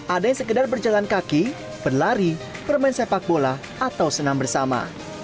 ada yang sekedar berjalan kaki berlari bermain sepak bola atau senam bersama